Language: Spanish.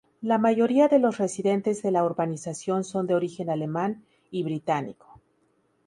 La mayoría de los residentes de la urbanización son de origen alemán y británico.